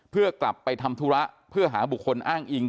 เพื่อกลับไปทำธุระเพื่อหาบุคคลอ้างอิง